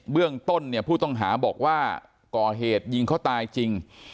เรื่องต้นเนี่ยผู้ต้องหาบอกว่าก่อเหตุยิงเขาตายจริง